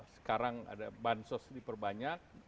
sekarang ada bansos diperbanyak